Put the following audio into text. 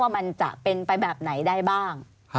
มันจะเป็นไปแบบไหนได้บ้าง